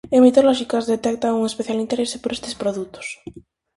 En Mitolóxicas detectan un especial interese por estes produtos.